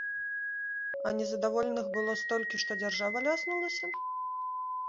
А незадаволеных было столькі, што дзяржава ляснулася?